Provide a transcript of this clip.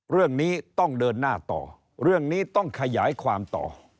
เรื่องนี้ต้องเดินหน้าต่อเรื่องนี้ต้องขยายความต่อ